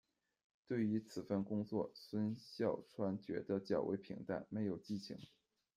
对于此份工作，孙笑川觉得较为平淡，没有激情。